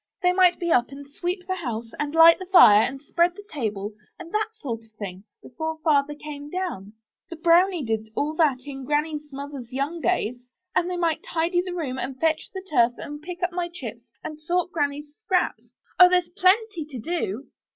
'They might be up and sweep the house, and Hght the fire, and spread the table, and that sort of thing, before Father came down. The BROWNIE did all that in Granny's mother's young days. And they might tidy the room, and fetch the turf, and pick up my chips, and sort Granny's scraps. Oh! there's plenty to do."